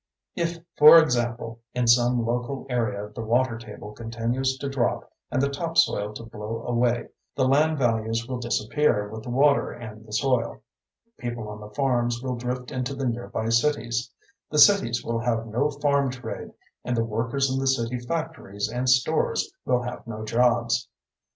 If, for example, in some local area the water table continues to drop and the topsoil to blow away, the land values will disappear with the water and the soil. People on the farms will drift into the nearby cities; the cities will have no farm trade and the workers in the city factories and stores will have no jobs.